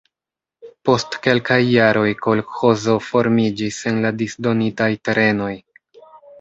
Post kelkaj jaroj kolĥozo formiĝis en la disdonitaj terenoj.